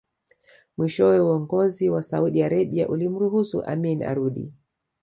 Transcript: Mwishowe uongozi wa Saudi Arabia ulimruhusu Amin arudi